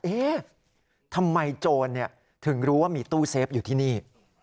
เอ๊ะทำไมโจรถึงรู้ว่ามีตู้เซฟอยู่ที่นี่